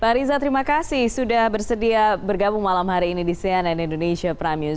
pak riza terima kasih sudah bersedia bergabung malam hari ini di cnn indonesia prime news